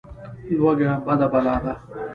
لوږه بده بلا ده.